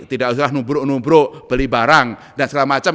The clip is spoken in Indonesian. tidak usah nubur nubur beli barang dan segala macam